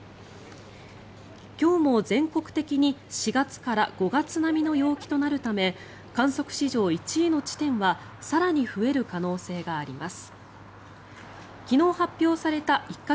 今日も全国的に４月から５月並みの陽気となるため観測史上１位の地点は更に増える可能性があります。